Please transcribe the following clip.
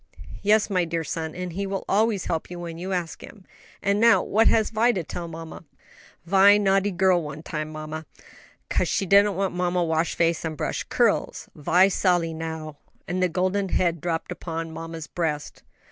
"Yes, my dear son, and He will always help you when you ask Him. And now, what has Vi to tell mamma?" "Vi naughty girl one time, mamma: ky 'cause she didn't want mammy wash face and brush curls. Vi solly now;" and the golden head dropped upon mamma's breast.